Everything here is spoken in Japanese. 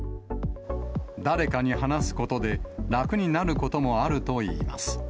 誰かに話すことで、楽になることもあるといいます。